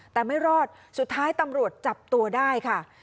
แต่ไม่รอดสุดท้ายตำรวจจับตัวได้ค่ะ